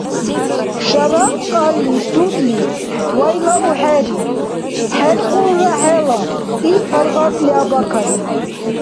— Шарап кьалли судли вайлаухӏериб. Хӏергъулра хӏела, — иб паргъатли Абакарли.